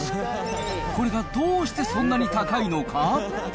これがどうしてそんなに高いのか？